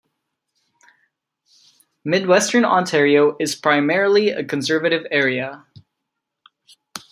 Midwestern Ontario is primarily a conservative area.